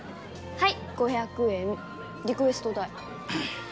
はい。